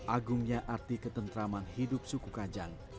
agungnya arti ketentraman hidup suku kajang